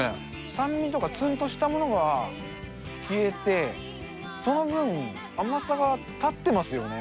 酸味とかつんとしたものが消えて、その分、甘さが立ってますよね。